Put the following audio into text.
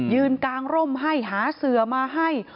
กางร่มให้หาเสือมาให้